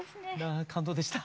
あ感動でした。